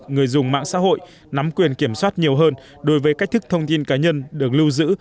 người dùng mạng xã hội nắm quyền kiểm soát nhiều hơn đối với cách thức thông tin cá nhân được lưu giữ